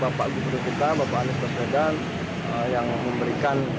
bapak anies basedan yang memberikan